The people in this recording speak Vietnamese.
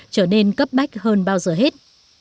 trở nên cấp bách hơn bao giờ hết